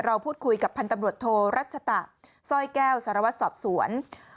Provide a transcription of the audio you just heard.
เราพูดคุยกับพันธ์ตำรวจโทรัชตะสร้อยแก้วสารวัตรสอบสวน